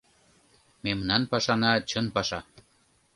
Мемнан пашана — чын паша!